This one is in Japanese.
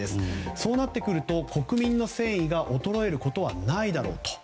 そうなってくると国民の戦意が衰えてくることはないだろうと。